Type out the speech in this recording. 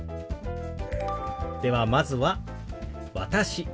ではまずは「私」。